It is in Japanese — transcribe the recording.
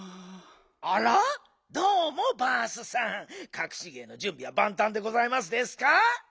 かくし芸のじゅんびはばんたんでございますですか？